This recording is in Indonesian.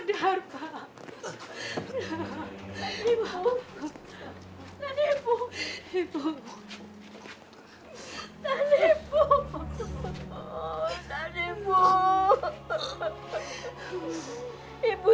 dia tidak tahu betapa saya mencintai dia